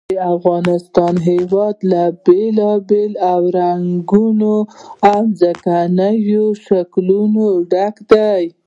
د افغانستان هېواد له بېلابېلو او رنګینو ځمکنیو شکلونو ډک دی.